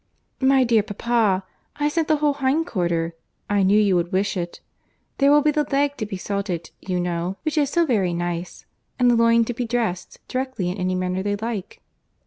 "My dear papa, I sent the whole hind quarter. I knew you would wish it. There will be the leg to be salted, you know, which is so very nice, and the loin to be dressed directly in any manner they like."